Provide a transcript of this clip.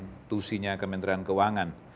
terkait dengan tusinya kementerian keuangan